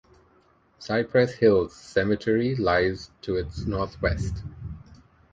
Cypress Hills Cemetery lies to its northwest.